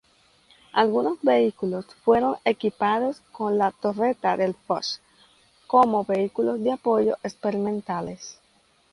Algunos vehículos fueron equipados con la torreta del Fox, como vehículos de apoyo experimentales.